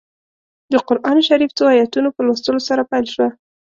د قران شریف څو ایتونو په لوستلو سره پیل شوه.